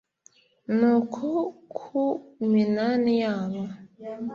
nuko ku minani yabo